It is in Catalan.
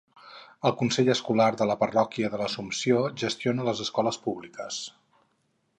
El Consell Escolar de la parròquia de l'Assumpció gestiona les escoles públiques.